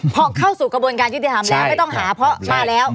พอเข้าสู่กระบวนการยุติธรรมแล้วไม่ต้องหาเพราะมาแล้ว